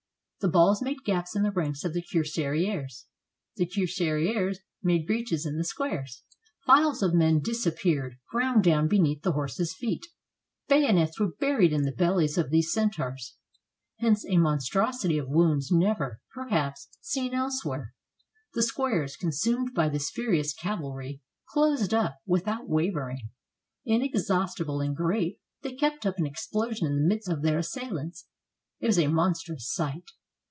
The balls made gaps in the ranks of the cuirassiers, the cui rassiers made breaches in the squares. Files of men dis appeared, ground down beneath the horses' feet. Bay onets were buried in the bellies of these centaurs. Hence a monstrosity of wounds never, perhaps, seen elsewhere. The squares, consumed by this furious cavalry, closed up, without wavering. Inexhaustible in grape, they kept up an explosion in the midst of their assailants. It was a monstrous sight.